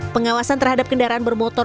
pengawasan terhadap kendaraan bermotor